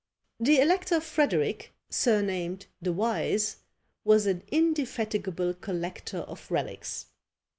The elector Frederic, surnamed the Wise, was an indefatigable collector of relics.